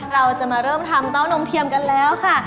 เราจะมาเริ่มทำเต้านมเทียมกันแล้วค่ะ